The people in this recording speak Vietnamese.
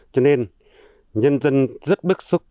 cho nên nhân dân rất bức xúc